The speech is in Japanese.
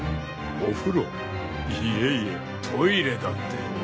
［お風呂いえいえトイレだって］